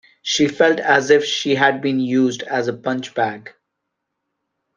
She felt as if she had been used as a punchbag